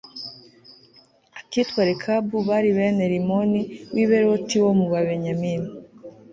akitwa rekabu bari bene rimoni w i beroti wo mu babenyamini